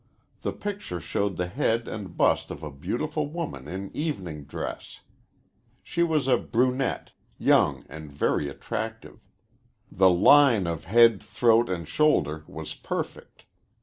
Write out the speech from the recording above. The picture showed the head and bust of a beautiful woman in evening dress. She was a brunette, young and very attractive. The line of head, throat, and shoulder was perfect.